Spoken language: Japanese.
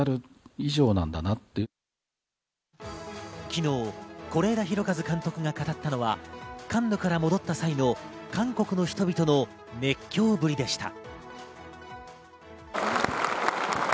昨日、是枝裕和監督が語ったのは、カンヌから戻った際の韓国の人々の熱狂ぶりでした。